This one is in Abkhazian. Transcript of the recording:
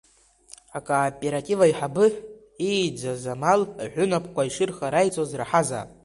Акооператив аиҳабы ииӡаз амал аҳәынаԥқәа ишырхараиҵоз раҳазаап…